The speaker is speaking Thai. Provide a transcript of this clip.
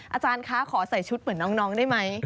อาจารย์คะขอใส่ชุดเหมือนน้องได้ไหม